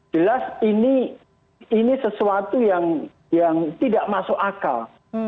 jelas ini sesuatu yang tidak masuk akal